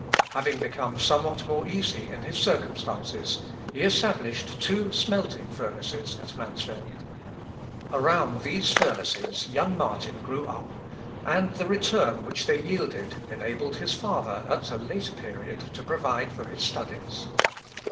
Having become somewhat more easy in his circumstances, he established two smelting furnaces at Mansfeld. Around these furnaces young Martin grew up; and the return which they yielded enabled his father, at a later period, to provide for his studies.